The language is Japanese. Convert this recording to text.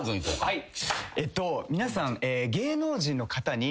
はい。